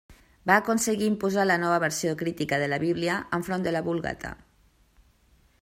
Va aconseguir imposar la nova versió crítica de la Bíblia enfront de la Vulgata.